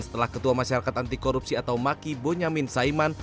setelah ketua masyarakat antikorupsi atau maki bonyamin saiman